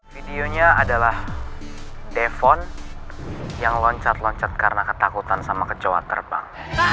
videonya adalah defon yang loncat loncat karena ketakutan sama kecewa terbang